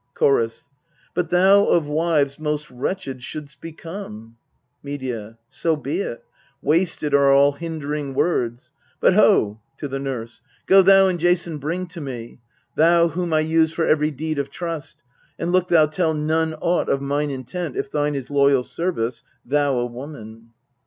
Chorus. But thou of wives most wretched shouldst become. Medea. So be it : wasted are all hindering words. But ho ! [to the NURSE] go thou and Jason bring to me Thou whom I use for every deed of trust. And look thou tell none aught of mine intent, If thine is loyal service, thou a woman.